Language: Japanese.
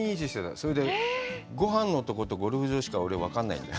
それで、ごはんのところとゴルフ場しか、俺、分からないんだよ。